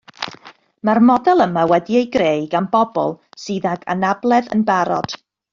Mae'r model yma wedi'i greu gan bobl sydd ag anabledd yn barod